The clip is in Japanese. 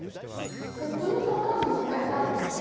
じゃあどのパターンも使えたんですね